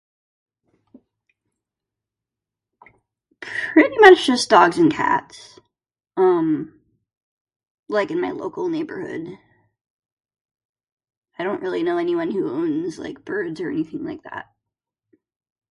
My neighborhood's just dogs and cats. Um, like in my local neighborhood. I don't really know anyone who owns, like, birds or anything like that.